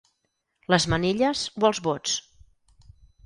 Les manilles o els vots?